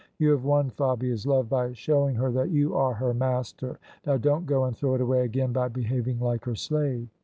You have won Fabia's love by showing her that you are her master; now don't go and throw it away again by behaving like her slave!